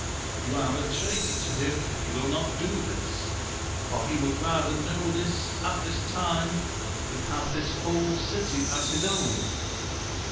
You are a traitor to him, if you will not do this ; for he would rather know this at this time than have this whole city as his own.